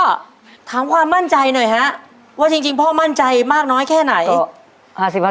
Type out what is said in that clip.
ถามความมั่นใจหน่อยฮะว่าจริงพ่อมั่นใจมากน้อยแค่ไหน